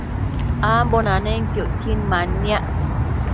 ambo nanenquio icquin manniac